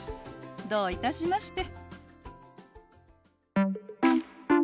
どういたしまして。